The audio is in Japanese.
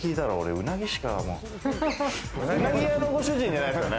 うなぎ屋のご主人じゃないですかね？